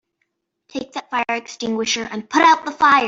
Take that fire extinguisher and put out the fire!